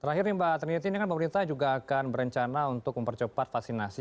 terakhir nih mbak trenity ini kan pemerintah juga akan berencana untuk mempercepat vaksinasi